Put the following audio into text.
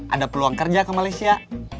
ada peluang kerja ke malaysia